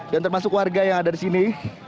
dan termasuk warga yang ada di sini